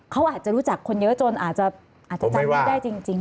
เขาอาจจะรู้จักคนเยอะจนอาจจะจำไม่ได้จริง